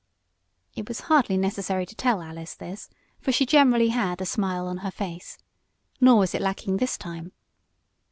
It was hardly necessary to tell Alice this, for she generally had a smile on her face. Nor was it lacking this time.